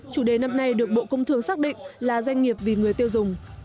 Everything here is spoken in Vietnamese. chủ đề năm nay được bộ công thương xác định là doanh nghiệp vì người tiêu dùng